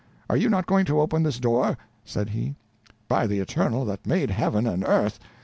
Are you not going to open this door?" said he. "By the Eternal that made Heaven and earth!